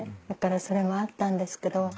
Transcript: だからそれもあったんですけど